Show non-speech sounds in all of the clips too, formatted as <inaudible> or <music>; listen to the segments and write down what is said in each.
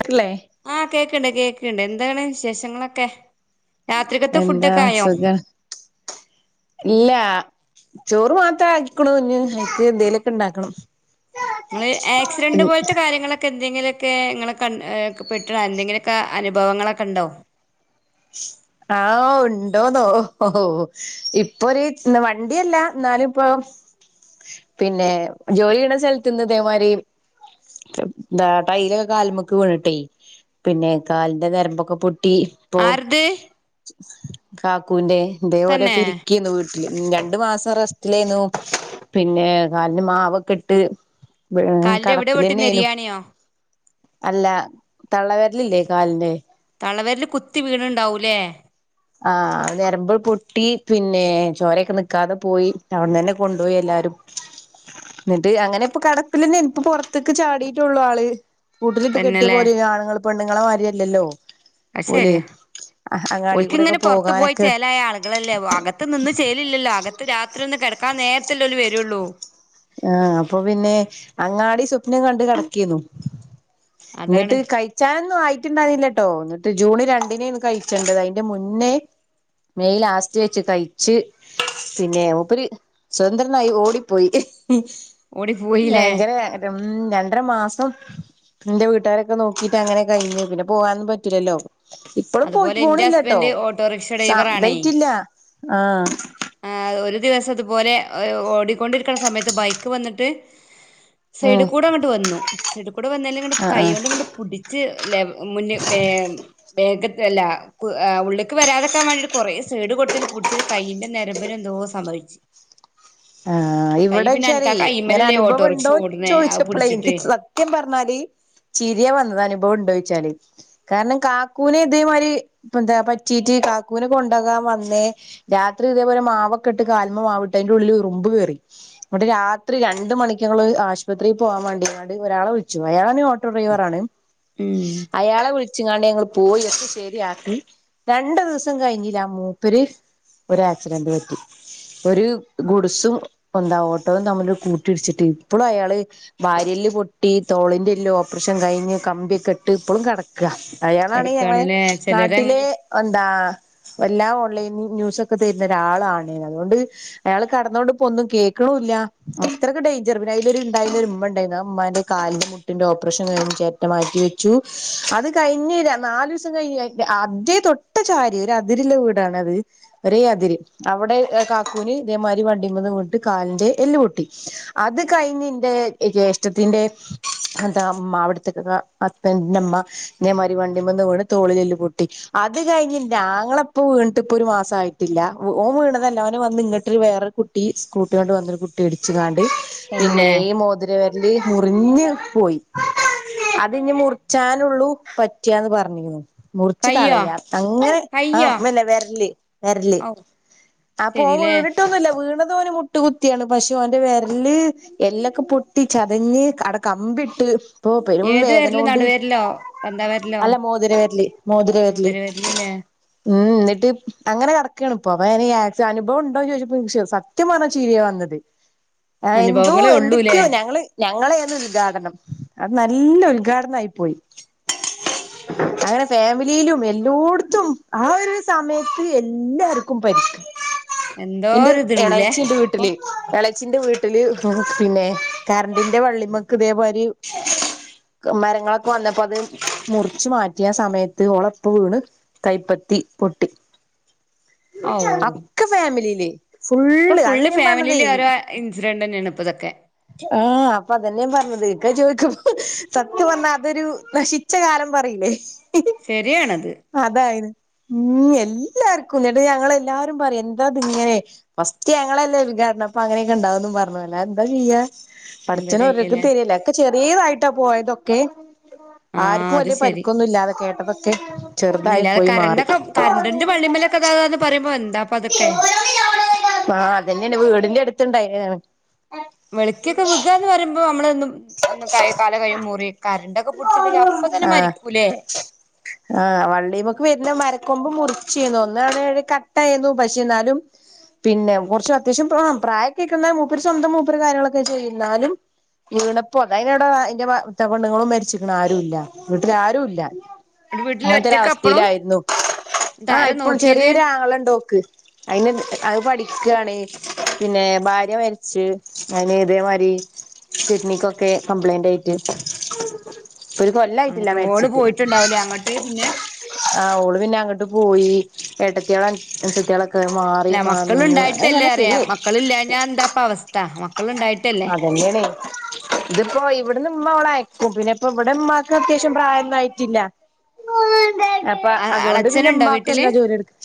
ക്കില്ലേ ആ കേക്ക്ണ്ട് കേക്ക്ണ്ട് എന്താണ് വിശേഷങ്ങളൊക്കെ രാത്രിക്കത്തെ എന്താ ഫുഡൊക്കെ ആയോ സുഖം ഇല്ല ചോറ് മാത്രം ആയിക്കുണു ഇഞ്ഞ് എക്ക് എന്തേലൊക്കെ ണ്ടാക്കണം നിങ്ങള് ആക്സിഡന്റ് പോലത്തെ കാര്യങ്ങളൊക്കെ എ എന്തെങ്കിലൊക്കെ നിങ്ങള കൺ പെട്ട്ട എന്തെങ്കിലൊക്കെ അനുഭവങ്ങളൊക്കെണ്ടോ ഉ ആ ഉണ്ടോന്നോ ഓ ഇപ്പൊര് വണ്ടിയല്ല എന്നാലും ഇപ്പൊ പിന്നെ ജോലിയ്യ്ണ സ്ഥലത്ത്ന്ന്തേമാരി എന്താട്ടൈയില് കാല്മേക്ക് വീണിട്ടെ പിന്നെ കാലിന്റെ ഞരമ്പൊക്കെ പൊട്ടി ഇപ്പോ ആര്ത് കാക്കുവിന്റെ ഇതേപോലെ തന്നെ പിര്ക്കി വീ രണ്ടു മാസം റെസ്റ്റിലായിന്നു പിന്നെ കാലിന് മാവൊക്കെട്ട് ഏ കാലിന്റെ എവിടെ പൊട്ടി കെടപ്പിലന്നേനു നെരിയാണിയോ അല്ല തള്ളവെരലില്ലേ കാലിന് ളവെരല് കുത്തി വീണുണ്ടാവൂലേ ആ അത് നരമ്പ് പൊട്ടി പിന്നെ ചോരെക്കെ നിക്കാതെ പോയി അവിന്ന് തന്നെ കൊണ്ടോയെല്ല രും. ന്നിട്ട് അങ്ങനെ ഇപ്പ കെടപ്പിലന്നെ പ്പ പൊറത്തേക്ക് ചാടീട്ടുള്ളു ആള് കൂട്ടിലിട്ട് കെട്ടിയ തന്നെല്ലേ പോലെയ ആണുങ്ങള് പെണുങ്ങളെ മായിരിയല്ലല്ലോ പോല അങ്ങാടി കൂടെ അങ്ങനെ പുറത്ത്ു പോയി ചേലായ ആളുകളല്ലേോ അകത്ത് നിന്ന് ചേലില്ലല്ലോ അകത്ത് രാത്രി ഒന്ന് അക്കാ നേരത്തെല് വരുള്ളൂ ആഹ അപ്പൊ പിന്നെ അങ്ങാടി സ്വപ്നം കണ്ട് കിടക്കിന്നു അതാണ് എന്നിട്ട് കയ്ച്ചാന്നായി ണ്ടായില്ലട്ടോ എന്നിട്ട് ജൂൺ രണ്ടിനെന്ന് കഴിച്ചണ്ടത് അതിന്റെ മുന്നേ മെയ് ലാസ്റ്റ് വെച്ച് കയ്ച്ച് പിന്നെ മൂപ്പര് സ്വതന്ത്രനായി ഓടിപ്പോയി ഓടിപ്പോയില്ലേ ഭയങ്കര <unintelligible> ഊം രണ്ടര മാസം എന്റെ വീട്ടുകാരൊക്കെ നോക്കിട്ട് അങ്ങനെ കയ്ഞ്ഞു പിന്നെ പോവാനന്നും പറ്റൂലല്ലോ ഇപ്പഴും പോ അതുപോലെ ഇന്റെ പോണില്ലട്ടോ ഹസ്ബന്റ് ഓട്ടോറിക്ഷ സതയിറ്റില്ല ആ ആ ഒരു ദിവസിതുപോലെ ഓടിക്കൊണ്ടിരിക്കണ സമയത്ത് ബൈക്ക് വന്നിട്ട് സൈഡി ഉം കൂടെ അങ്ങട്ട് വന്നു സൈഡി കൂടെ വന്നാലങ്ങട്ട ആഹ് ആഹ് കൈകൊണ്ടങ്ങട് പുടിച്ച് ലെവ മുന്നേ വേഗത്തല്ല ഉള്ളക്ക് വരാതെക്കാൻ വേണ്ടി കുറേ സൈഡ് കൊടുത്തിന് പിടിച്ച്ന് കയ് നരമ്പിനെന്തോ സംഭവി ച്ചീന് ആ അനക്ക് ഇവിടെംശരി ആ ഇങ്ങനെ കൈമലല്ലേ അനുഭവം ഓട്ടോറിക്ഷ ഉണ്ടോ ഓടണേ അത് ചോദിച്ചപ്പോളെ എനിക്ക് പിടിച്ചിട്ടേ സത്യം പറഞ്ഞാല് ചിരിയ വന്നതേ ഒണ്ടോയ്ച്ചാല് കാരണം കാക്കൂനെ ഇതേമാരി ന്താ പറ്റീട്ട് കാക്കൂനെക്കൊണ്ട <unintelligible> വന്നേ രാത്രി ഇതേപോലെ മാവക്കെട്ട് കാല്മ്മെ മാവിട്ട് അതിന്റുള്ളിൽ ഉമ്പ് കേറി ട് രാത്രി രണ്ട് മണിക്കങ്ങള് ആശുപത്രി പോകാൻ വേണ്ടിങ്ങാണ്ട് ഒരാളെ വിളിച്ചു അയാ <unintelligible> ഓട്ടോ ഡ്രൈവറാണ് ഉം അയാളെ വിളി ഉച്ചിങ്ങാണ്ട ഞങ്ങൾ പോയി ഒക്ക ശരിയാക്കി രണ്ട ദിവസം കഴിഞ്ഞില്ല ആ മൂപ്പര് ഒരു ആക്സിഡന്റ് പറ്റി ഒരു ഗുഡ്‌സും ന്താ ഓട്ടോയും തമ്മില് കൂട്ടിയിടിച്ചിട്ട് ഇപ്പളും അയാള് വാരിയെല്ല് പൊട്ടി തോളെല്ല് ല്ലോപ്പ്രഷൻ കഴിഞ്ഞ് കമ്പിയൊക്കെ ഇട്ട് ഇപ്പളും കെടക്കാ അയാളാണ് ഞങ്ങള് കിടക്കാണല്ലേ നാട്ടിലെ ചിലരങ്ങനെ എന്താ എല്ലാ ഉള്ള ന്യൂസൊക്കെ തരുന്ന ഒരാളാണ് അതുകൊണ്ട് അയാൾ കടന്നോണ്ട് പ്പൊന്നും കേക്കണുല്ല അത്രക്ക് ഡേഞ്ചറ് പിന്നയ്ലൊരു ഇണ്ടായിനൊരുമ്മണ്ടായിന്നു ആ മ്മാന്റെ കാലിന് മുട്ടിന്റെ ഓപ്പറേഷൻ കയ്ഞ്ഞു ചെരട്ട മാറ്റി വെച്ചു അത് കയ്ഞ്ഞ് ര നാലുസം ക <unintelligible> ഏ തൊട്ട് ചാരി ഒരു അതിരിലെ വീടാണത് ഒരേ അതിര് അവിടെ കാക്കൂന് അതേമാരി വണ്ടീമേന്ന് വീട്ട് കാലിന്റെ എല്ല് പൊട്ടി അത് കഴിഞ്ഞ് ന്റെ ജ്യേഷ്ടത്തിന്റെ എന്താ അമ്മ അവിടത്തേക്ക അത്തെന്റുമ്മ ഇതേമാരി വണ്ടിമ്മെന്ന് വീണ് തോളിലെല്ല പൊട്ടി അത് കഴിഞ്ഞ ഞങ്ങള ഇപ്പോ വീണിട്ട ഇപ്പൊ ഒരു മാസയിട്ടില്ല ഓ വീണതല്ല അവനെ വന്ന ഇങ്ങട്ട് വേറൊരു കുട്ടി സ്ൂട്ട കൊണ്ട് വന്നൊ കുട്ടി ഇടിച്ചണ്ട് തന്നെ പിന്നെ ഈോതി അല് മുറിഞ്ഞ് പോയി അതിനി മുറിച്ചാനുള്ളൂ പറ്റിയാന്ന് പറഞ്ഞി മുറിച്ച് കയ്യോ കളയാം അങ്ങനെ കയ്യോ ആമ്മന്നെ വെരല് വെരല് ഔ ആ പോ ശരില്ലേ <unintelligible> ല്ല വീണതോന് മുട്ട് കുത്തിയാണ് പഷെ ഓന്റെ വിരല് എല്ലൊക്കെ പൊട്ടി ചതഞ്ഞ് <unintelligible> കമ്പിട്ട് ഇപ്പൊ പെരും ഏത് വേദന വിരല് കൊണ്ട് നടുവിരലോ തന്താ വിരലോ അല്ല മോതിരവെരല് മോതിരവെരല് മൂതര വിരലല്ലേ ഉം ന്നിട്ട് അങ്ങനെ കടക്കാണിപ്പോ <unintelligible> അനുവം ഉണ്ടോ ചോച്ച <unintelligible> സത്യമാണോ ചീരിയ വന്നത് എന്തോ അനുഭവങ്ങളേ ഉള്ളൂല്ലേ എന്തൊക്കെയോ ഞങ്ങള് ഞങ്ങള ഉദ്ഘാടനം അത് നല്ല ഉദ്ഘാടനായിപ്പോയി <inaudible> അങ്ങനെ ഫാമിലിയിലും എല്ലോടത്തും ആ ഒരു സമയത്ത് എല്ലാർക്കും പരിക്ക എന്റെ എന്തോരിതുണ്ട്ല്ലേ എളച്ചിന്റെ അപ്പൊ വീട്ടില്ളച്ചി ച്ചിന്റെ വീട്ടില് പിന്നെ കറണ്ടിന്റെ വള്ളിമ്മക്ക് ഇതേമാരി മരങ്ങളക്ക വന്നപ്പം അത് മുറിച്ചു മാറ്റി ആ സമയത്ത് ഓളപ്പൊ വീണ് കൈ <unintelligible> വി പൊട്ടി <unintelligible> ഔ അക്കെ ഫാമിലീല് ഇപ്പൊ ഫുള്ള് ഫാമിലിയില് ഓരോ ഇൻസിഡന്റന്നെയാണ് ഇപ്പതൊക്കെ ആ അപ്പൊ അതന്നെയാ പറഞ്ഞത് ഇക്ക ചോദിക്ക്പ സത്യം പറഞ്ഞാ അതൊരു നശിച്ച കാലം പറയും <unintelligible> ശരിയാണത് അതാണ് ഉം എല്ലാർക്കും എന്നട്ട് ഞങ്ങ എല്ലാവാരും പറയുംം എന്താത് ഇങ്ങനെ ഫസ്റ്റ് ഞങ്ങളല്ലേ വി കാരണംപ്പ അങ്ങനെയൊക്കെണ്ടാവന്ന പറഞ്ഞതല്ല എന്താ ചെയ്യാ എന്താ അഠിച്ചന ഒർക്കും ചെയ്യലേ തരില്ലേ ഒക്കെ ചെറിയതായിട്ടാ പോയതൊക്കെ <inaudible> ആർക്കും അത് വലിയ ശരി പരിക്കൊന്നും ഇല്ലാതെ കേട്ടതൊക്കെ ചെറുതായി ഒന്നില്ലാതെ പോയി മാറി കറണ്ടൊക്കെ കറണ്ടിന്റെ വള്ളിമേലൊക്കെ ഇതാകാന്ന് പറയുമ്പോ എന്താപ്പ അതൊക്കെ ആഹ <unintelligible> അതന്നെയന്നെ വീടിന്റെ അടുത്ത് ണ്ടായി <unintelligible> വെളിക്കക്കൊക്കെ വുക എന്ന് പറയുമ്പോ നമ്മളും ഒ കാല കഴ മുറിയക്കാ ആ ആ വള്ളിമക്ക് വരുന്ന മര കൊമ്പ് മുറിച്ചന്ന ഒന്ന കട്ടായിരുന്നു പക്ഷേ എന്നാലും പിന്നെ കുറച്ച അത്യാവശ്യം പ്രായ കേക്കുന്ന മൂപ്പർ സ്വന്തം മൂപ്പർ കാര്യങ്ങളൊക്കെ ചെയ്യ എന്നാലും ഈ ഇണപ്പ അത അ എവിടെ അന്റെ കൊണ്ണുങ്ങളും മരിച്ചരിക്കണ ആരുുംല്ല വീട്ടില ആരുും ഇല്ല ന്നട്ട് വീട്ടില് അങ്ങനത്തെൊ ഒരു ഒറ്റക്ക് അപ്പളും അവസ്ഥയിലായിരുന്നു ആഹ് ഇതാരാ ഇപ്പോഴും നോക്കിയത് ചെറിയൊരു ആങ്ങള ഉണ്ടോക്ക് അതിന് അത് പഠിക്കയാണ് പിന്നെ ഭാര്യ മരിച്ച അതിന് ഇതേമാതി കിഡ്നിക്കൊക്കെ കംപ്ലൈന്റ് ആയിട്ട് ഒരു കൊല്ലായിട്ടില്ല അങ്ങനെ ഓള് മേരിച്ചിട്ട് പോയിട്ടുണ്ടാവൂലേ അങ്ങട്ട് പിന്നെ ആ അവഓള് പിന്നെ അങ്ങോട്ട് പോയി എഏട്ടത്തിയാൾ അത്തിയാള മാറി അല്ല മാ മക്കള് നിീു ഇണ്ടായിട്ടല്ലേ അങ്ങനെ അറിയാ ശരിേ മക്കളില്ലാഞ്ഞാ എന്താപ്പ അവസ്ഥ മക്കള് ഇണ്ടായിട്ടല്ലേ അതന്നെയണേ ഇതിപ്പോൊ ഇവിടുന്ന് ഉമ്മള ആ പിന്നെ ഇപ്പ ഇവിടെ ഉമാക്ക് അത്യാവ്യം പ്രായംന്നായിട്ടില്ല അപ്പൊ അ അതുകൊണ്ട് പിന്നെ അളച്ചനുണ്ടോ അമ്മാക്ക്ും വീട്ടില് എല്ലാ ജോലി എടുക്കും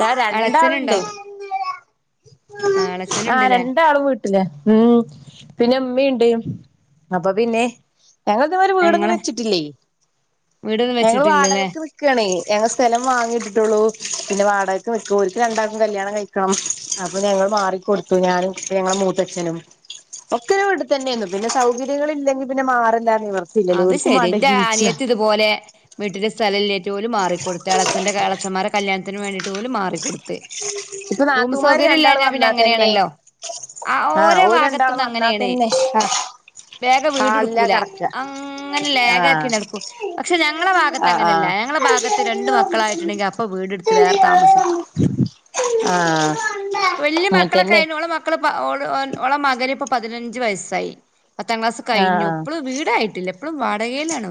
ഞാൻ എളച്ചനുണ്ടോ രണ്ടാളുണ്ട് ആ ആഹ എളച്ചനുണ്ട്ല്ലേ രണ്ടാളും വീട്ടിലാ ഉം പിന്നെ അമ്മീുണ്ട് അപ്പൊ പിന്നെ ഞങ്ങള ഇതുമാരെ വീടൊന്നും ഞങ്ങളെ വെച്ചിട്ടില്ലേ വീടൊന്നും ഞങ്ങള്ൾ വെച്ചിട്ടില്ലല്ലേ വാടകൊക്കെ നക്കണേ ഞങ്ങൾ സ്ഥലം വാങ്ങിട്ടിട്ടുള്ളൂ പിന്നെ വാടകക്ക് നിക്കും ഒരിക്കല രണ്ടാക്കും കല്യാണം കഴിക്കണം അപ്പൊ ഞങ്ങ മാറിക്കൊടുത്തു ഞാനും ഞങ്ങളുടെ മൂത്തച്ഛനും ഒക്കര ഇവിടു തന്നെയന്നു പിന്നെ സൗകര്യങ്ങളൾ ഇല്ലെങ്കിൽ പിന്നെ മാറന്ത അത് ശരിറെ അനിയത്തി ഇതുപോലെ വീട്ടിലന്റെ സ്ഥല ഏറ്റ പോല മാറിക്കടു അളച്ചൻ് അളച്ചന്മാരെ കല്യാത്തിന് വേണ്ടിട്ട് പോലും മാറിക്കൊടുു ഇപ്പൊ റൂം നാത്തൂമാര് സൗകര്യ രണ്ടാള് ഇല്ല ാ പിന്നെ വന്നാ തന്നെ അങ്ങനെയാണല്ലോ ആ ആഹ് ഓരോ ഓര് രണ്ടാള് ഭാഗത്തുന്ന് വന്നാ അങ്ങനെയാണ് തന്നെ ആഹ് വേഗ ഹാളിലാ വീഡ്യൂഡ്ക്കൂല കെടക്ക അങ്ങനെ ലേഖാക്കി ആഹ് നടക്കും പക്ഷെ ഞങ്ങളുടെ ഭാഗത്ത് ആഹ് അങ്ങനല്ല ആഹ് ഞങ്ങള ഭാഗത്ത് രണ്ട് മക്കളായിട്ടുണ്ടെങ്കിൽ അപ്പ വീട് ഇട്ത് വേറെ താമസിക്ക ആഹ് വലിയ അങ്ങൻതന്നെ മക്കളക്കെഴഞ്ഞ മക്കള ഓളെ മകന് ഇപ്പ പതിനഞ്ച് വയസായി പത്താം ക്ലാസ് ആഹ് കഴിഞ്ഞു ആഹ് ഇപ്പൾ വീട് എല്ല എപ്പഴും വാടകയിലാണോ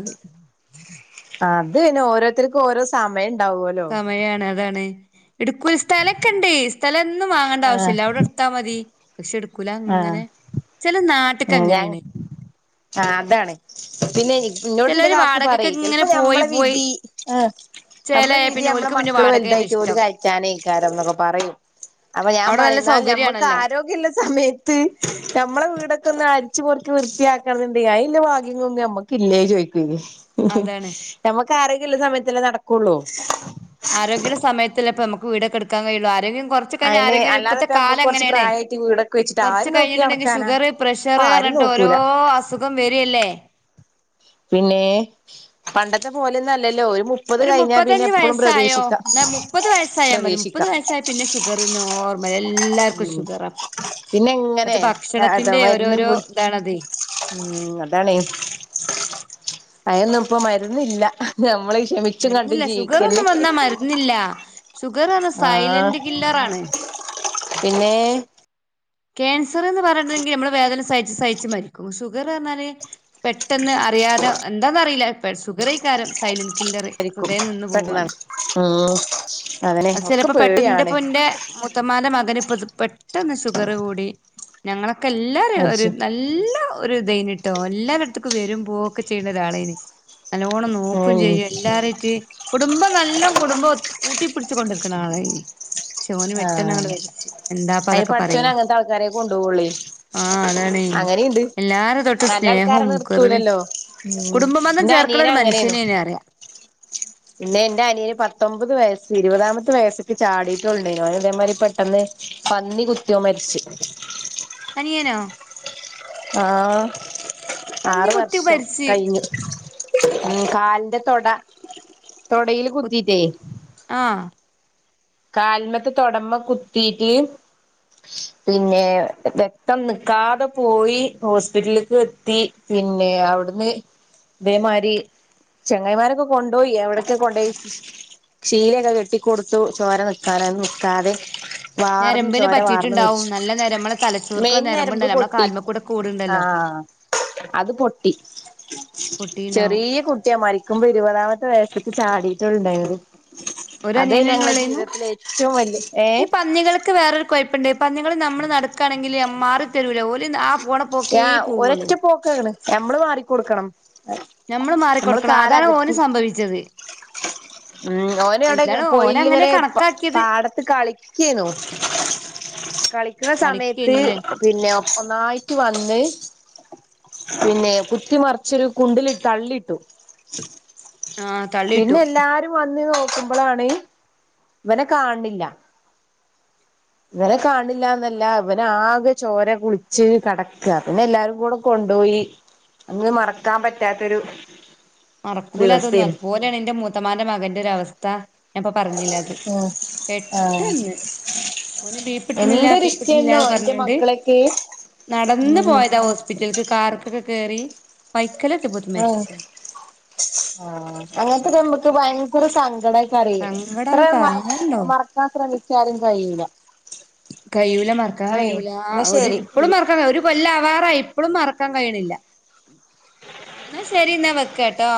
അത് പിന്നെ ഓരോരുത്തർക്കും ഓരോ സമയം ഉണ്ടാവുമല്ലോ സമയാണ് അതാണ് ഇടുക്ക ഒരു സ്ഥലൊക്കെണ്ടേ ൊന്നും വാങ്ങേണ്ട ആഹ് ആവശ്യമില്ല അവിടെ എടുത്താൽ മതി പക്ഷെ എടുക്കൂല ആഹ് അങ്ങനെ ചെില നാട്ടക്കെ അങ്ങനെയാണ് ആ അതാണ് പിന്നെ പിന്നോട്ന്റെ ചെലോര് കാക്കു പറ വാടകക്ക് ഇങ്ങനെ ചിലപ്പോ പോയി നമ്മളെ പോയി വിധി ആ് നമ്മളെ ചേലായ വിധി പിന്നെ നമ്മളെ ഓൽക്ക് പിന്നെ മക്കൾ വാടകേണ് വലു ഇഷ്ടം കഴക്കംൊക്കെ പറയും അപ്പൊ ഞാൻ അവിടെ നല്ല പറയുന്നൽ നമുക്ക് സൗകര്യാണല്ലോ ആരോഗ്യമള്ള സമയ നമ്മെ വീടൊക്കെ ഒന്ന് അരിച്ച്ുപറ വൃത്തിയാക്കണ എന്നണ്ട് ഭാഗ്യങ്ങൊന്നും നമ്മക്ക്ല്ല ചോയിിക്ക അതാണ് നമ്മക്ക് ആരക്കുള്ള സമയത്തല്ലേ നടക്കുള്ളൂ ആരോഗ്യുള്ള സമയത്തില്ലപ്പ നമുക്ക് വീടക്ക എടുക്കൻ കഴുള്ളൂ ആരോഗ്യം കുറച്ച് കഴി അയിന് ആര്യ ഇപ്പഴത്തെ അല്ലാതെപ്പ നമ്മുക്ക് കാലം കൊറച്ച് എങ്ങനെയാണ് പ്രായായിട്ട് വീടൊക്കെ വെച്ചിട്ട് കുറച്ച് ആര് നോക്കി കഴിഞ്ഞിട്ടുണ്ടെങ്കിൽ നടക്കാനാ ഷുഗർ പ്രഷർ <unintelligible> ആരും എന്നിട്ട് ഓരോ നോക്കൂല അസുഖം വരല്ലേ പിന്നേ പണ്ടത്തെ പോലെന്നല്ലല്ലോ മുപ്പത് ഒരു കഴിഞ്ഞാ പിന്നെ മുപ്പത്തഞ്ച് എപ്പളും വയസ്സായോ പ്രതീക്ഷിക്കാം എന്നാ മുപ്പത് വയസ്സായാൽ മതി മുപ്പത് പ്രതീക്ഷിക്കാം വയസ്സായ പിന്നെ ഷുഗർ നോർമൽ എല്ലാർക്കും ഉ ഷുഗർ അപ്പം പിന്നെ ഇപ്പത്തെ <unintelligible> ഭക്ഷണത്തിന്റെ ഓരോരോ ഇതാണതേ ഉം അതാണേ <unintelligible> അയ്നൊന്നും ഇപ്പ മരുന്നില്ല ഞമ്മള മരുന്നില്ല ഷുഗർ ഒന്നും വന്നാ മരുന്നില്ല <unintelligible> <unintelligible> സൈലന്റ് കില്ലറാണ് പിന്നേ ക്യാൻസർ എന്ന് പറഞ്ഞിട്ടുണ്ടെങ്കിൽ നമ്മള് വേതന സഹച്ചു സഹിച്ചു മരിക്കും ഷുഗർ പറഞ്ഞാല് പെട്ടെന്ന് അറിയാതെ എന്താന്നറിയില്ല ഇപ്പ <unintelligible> സൈലന്റ് ചില്ലറെ മരിക്കും ഹൃദയം നിന്നു പോവാണ് പെട്ടെന്നാണ് ഉം അതന്നെ അ ഒക്കെ ചിലപ്പോ പേടിയാണ് പെട്ടന്റെ <unintelligible> മുത്തമാന്റെ മകൻ ഇപ്പൊ പെട്ടെന്ന് ഷുഗർ കൂടി ഞങ്ങളൊക്കെ എല്ലാരും ഒരു മരിച്ചു നല്ല ഒരു <unintelligible> ട്ടോ എല്ലാടത്തക്കും വരും പോവൊക്കെ ചെയ്യണ ഒരാളാണ് നല്ലവോണം നോക്കയും ഉം ചെയ്യും എല്ലാരായ്റ്റ് കുടുംബം നല്ല കുടുംബം കുട്ടി പിടിച്ച കൊണ്ടിക്കണ ആളെ ചോന് പെട്ടെന്ന് അങ്ങെ ആഹ് വരിച്ചു എന്താപ്പ അയിന് അതൊക്കെ പടച്ചോൻ <unintelligible> അങ്ങനത്തെ ആൾക്കാരെ കൊണ്ടുപോവുള്ളേ ആ അതാണ് അങ്ങനെയുണ്ട് എല്ലാരും തൊട്ട് നല്ല ആൾക്കാരെ <unintelligible> നിർത്തൂലല്ലോ ഉം കുടുംബബംന്ധം എന്റെ ചേർക്കണ അനിയന് ഒരു അങ്ങനെയന്നു മനുഷ്യനെനെ അറിയാം പിന്നെ എന്റെ അനിയന് പത്തൊമ്പത് വയസ് ഇരുതാമത്തെ വയസ്സക്കെ ചാടിീട്ടുണ്ട് ഞാന ഇതേമാതിരി പെട്ടെന്ന് പന്നി കുത്തിയോ മരിച്ചു പനിയേനോ ആ പന്നി ആറ് കുത്തി വർഷം മരിച്ച് കഴിഞ്ഞു കാലിന്റെ തൊട തൊടയില് കുത്തീറ്റേ ആഹ് കാൽമത്തെ തൊടമീ കുത്തീറ്റ് പിന്നെ രക്തം നീക്കാതെ പോയി ഹോസ്പിറ്റലേക്ക് എത്തി പിന്നെ അവിടുന്ന് ദേമാരി ചെങ്ങൈമാരൊക്കെ കൊണ്ടുപോയി എവിടൊക്കെ കൊണ്ടപോയി ക്ഷീലൊക്കെ കെട്ടിക്കൊടുത്തു ചോര <unintelligible> വാർന്ന ഞരമ്പിന് ചോര വാർന്ന പറ്റിയിട്ടുണ്ടാവും വരിച്ചു നല്ല ഞര നമ്മളെ തലച്ചോർക്കുള്ള മെയൻ ഞരമ്പ് ഞരമ്പുണ്ടല്ലോ നമ്മളെ പൊട്ടി കാൽമക്കൂടെ കൂടുണ്ടല്ലോ ആഹ അത് പൊട്ടി പൊട്ടിണ്ടാവും ചെറിയ കുട്ടിയാ മരിക്കുമ്പോ ഇരുപതാമത്തെ വയസ്സ് ചാടീട്ട ഉണ്ടായി ഒര് അനിയന <unintelligible> ഏറ്റവും വലിയ ഈ ഏഹ് പന്നികൾക്ക് വേറൊരു <unintelligible> ണ്ട് പന്നിങ്ങൾ നമ്മൾ നടക്കാണെങ്കില് മാറിത്തരൂല <unintelligible> ഒരറ്റ പോക്ക് നമ്മള് മാറിക്കൊടുക്കണം ഞമ്മള് നമ്മള് മാറിക്കൊടുക്കണം അതാണ് ഓന് കാലകത്തി സംഭവിച്ചത് ഉം ഓനവിടെ എന്താണ് ഓന് അങ്ങനെ പൊയിലിങ്ങനെ കണക്കാക്കിയത് പാടത്ത് കളിക്കേന്നു കളിക്കുന്ന സമയത്ത് കളിക്കേനില്ലേ പിന്നെ ഒന്നായിട്ട് വന്ന് പിന്നെ പുത്തിമറിച്ചൊരു കുണ്ടിലിട്ട് അള്ളി ഇട്ടു ആഹ് തള്ളിയിട്ടു പിന്നെ എല്ലാരും വന്ന് നോക്കുമ്പോളാണ് ഇവനെ കാണ്ല്ല ഇവനെ കാണ്നില്ലന്നല്ല ഇവന ആകെ ചോര കുളിച്ച് കെടക്ക്യാ പിന്നെ എല്ലാരും കൂടെ കൊ കൊണ്ടോയി അങ്ങ് മറക്കാൻ പറ്റാത്തൊരു മറക്കൂലതൊന്നും ദിവസേനു അതുപോലെയാണ് എൻ്റെ മൂത്തമാന്റെ മകന്റെ ഒര അവസ്ഥ <unintelligible> പറഞ്ഞില്ല അത് ഉം ആഹ് പെട്ടന്ന് ഓന് എന്തൊരിഷ്ടേന്നോ <unintelligible> എന്റെ പറഞ്ഞോണ്ട് മക്കളൊക്കെ നടന്ന് ഉം പോയതാ ഹോസ്പിറ്റല്ക്ക് <unintelligible> കേറി പൈക്കലക്കെ പോത്ത് മരിച്ച <unintelligible> അങ്ങനത്തെ നമുക്ക് ഭയങ്കര സങ്കട സങ്കടാണ് <unintelligible> പറയാണ്ടോ മറക്കാൻ ശ്രമിച്ചാരും കഴിയില്ല കഴൂല മറക്കാൻ കഴൂല ഒരു ശരി ഇപ്പഴും മറക്കാൻ ഒരു കൊല്ലാവാറായി എപ്പളും മറക്കാൻ കഴിയണില്ല എന്നാ ശരി എന്നാ വെക്കട്ടോ